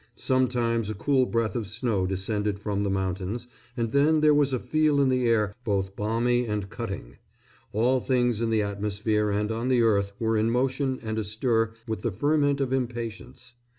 Sometimes a cool breath of snow descended from the mountains, and then there was a feel in the air both balmy and cutting. All things in the atmosphere and on the earth were in motion and astir with the ferment of impatience.